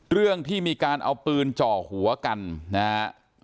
เรื่องที่มีการเอาปืนจ่อหัวกันนะฮะ